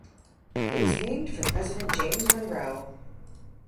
It was named for President James Monroe.